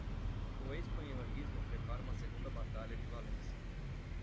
O espanholismo prepara uma segunda batalha de Valência.